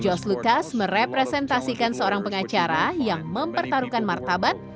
jos lucas merepresentasikan seorang pengacara yang mempertaruhkan martabat